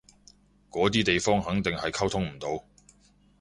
嗰啲地方肯定係溝通唔到